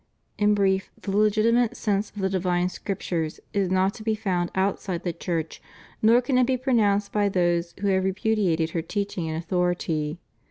In brief, the legitimate sense of the divine Scriptures is not to be found outside the Church, nor can it be pronounced by those who have repudiated her teaching and authority.